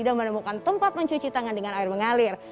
dan juga semuanya harus disempat mencuci tangan dengan air mengalir